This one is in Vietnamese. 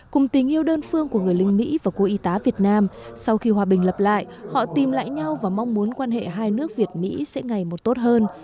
cùng tình yêu đơn phương của người lính mỹ và cô y tá việt nam sau khi hòa bình lập lại họ tìm lại nhau và mong muốn quan hệ hai nước việt mỹ sẽ ngày một tốt hơn